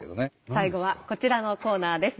最後はこちらのコーナーです。